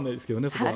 そこは。